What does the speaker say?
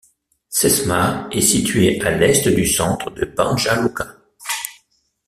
Česma est située à l'est du centre de Banja Luka.